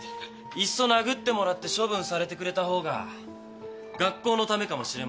いっそ殴ってもらって処分されてくれたほうが学校のためかもしれませんけどね。